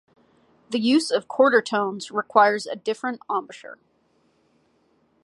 The use of quarter-tones requires a different embouchure.